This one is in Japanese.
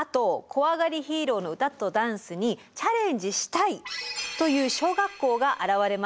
「こわがりヒーロー」の歌とダンスにチャレンジしたいという小学校が現れました。